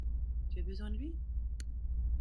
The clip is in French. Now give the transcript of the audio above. Tu as besoin de lui ?